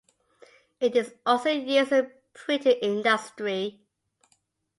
It is also used in printing industry.